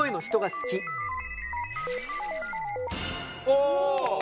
お！